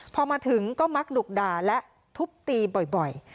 พอมาถึงก็มักดุกด่าและทุบตีบ่อย